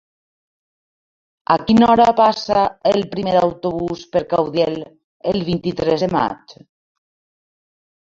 A quina hora passa el primer autobús per Caudiel el vint-i-tres de maig?